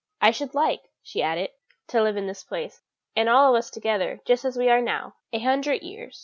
"I should like," she added, "to live in this place, and all of us together, just as we are now, a hundred years."